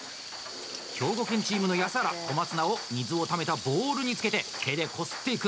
兵庫県チームの安原小松菜を水をためたボウルにつけて手でこすっていく。